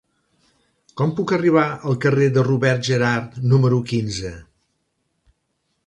Com puc arribar al carrer de Robert Gerhard número quinze?